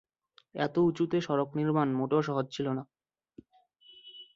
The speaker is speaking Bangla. এত উঁচুতে সড়ক নির্মাণ মোটেও সহজ ছিল না।